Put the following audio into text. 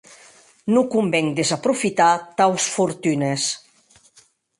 Non conven desaprofitar taus fortunes.